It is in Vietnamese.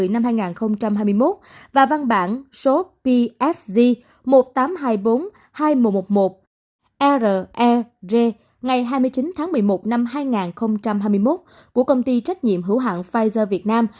năm hai nghìn hai mươi một và văn bản số pfz một tám hai bốn hai một một một rer ngày hai mươi chín tháng một mươi một năm hai nghìn hai mươi một của công ty trách nhiệm hữu hạn pfizer việt nam